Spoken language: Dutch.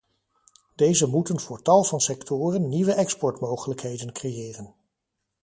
Deze moeten voor tal van sectoren nieuwe exportmogelijkheden creëren.